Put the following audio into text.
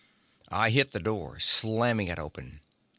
I hit the door, slamming it open.